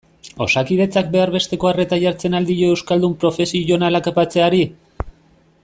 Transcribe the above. Osakidetzak behar besteko arreta jartzen al dio euskaldun profesionalak batzeari?